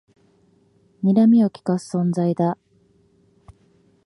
にらみをきかす存在だ